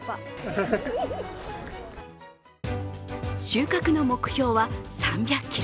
収穫の目標は３００ｋｇ。